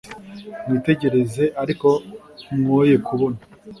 mwitegereze, ariko mwoye kubona.